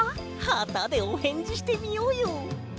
はたでおへんじしてみようよ！